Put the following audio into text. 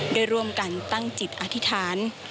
ได้ร่วมกันตั้งจิตอธิษฐาน